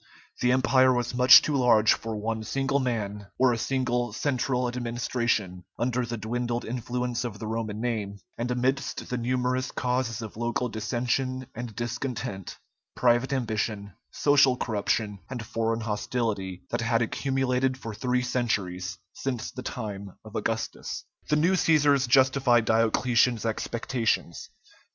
The Empire was much too large for one single man or a single central administration, under the dwindled influence of the Roman name, and amidst the numerous causes of local dissension and discontent, private ambition, social corruption, and foreign hostility, that had accumulated for three centuries, since the time of Augustus. [Illustration: Army on horse. [TN]] The new Cæsars justified Diocletian's expectations.